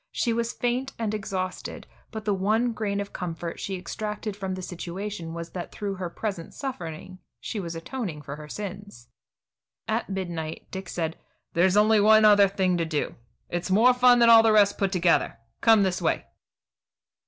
She was faint and exhausted, but the one grain of comfort she extracted from the situation was that through her present suffering she was atoning for her sins. At midnight Dick said: "There's only one other thing to do. It's more fun than all the rest put together. Come this way."